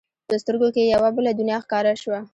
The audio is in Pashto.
په سترګو کې یې یوه بله دنیا ښکاره شوه.